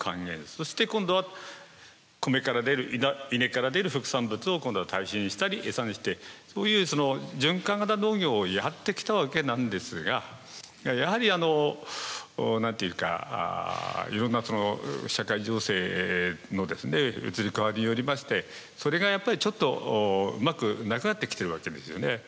そして今度はコメから出る稲から出る副産物を今度は堆肥にしたり餌にしてそういうその循環型農業をやってきたわけなんですがやはり何というかいろんな社会情勢の移り変わりによりましてそれがやっぱりちょっとうまくなくなってきてるわけですよね。